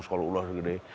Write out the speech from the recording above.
salah allah segede